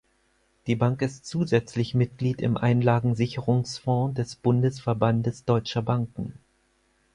Die Bank ist zusätzlich Mitglied im Einlagensicherungsfonds des Bundesverbandes deutscher Banken.